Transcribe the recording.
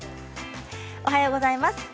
おはようございます。